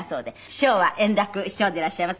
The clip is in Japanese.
師匠は圓楽師匠でいらっしゃいます。